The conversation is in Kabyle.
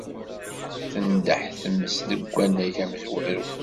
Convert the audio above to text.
Tendeḥ tmes deg wannag amezwaru.